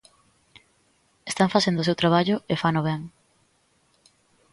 "Están facendo o seu traballo e fano ben".